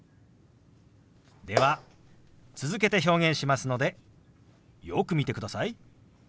では続けて表現しますのでよく見てください。